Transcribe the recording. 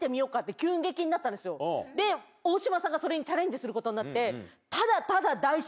大島さんがそれにチャレンジすることになって。